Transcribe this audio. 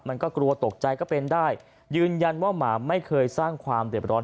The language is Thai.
มันก็กลัวตกใจก็เป็นได้ยืนยันว่าหมาไม่เคยสร้างความเด็บร้อน